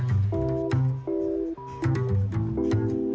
น้องใหม่ในการประกวด